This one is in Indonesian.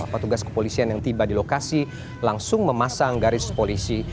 petugas kepolisian yang tiba di lokasi langsung memasang garis polisi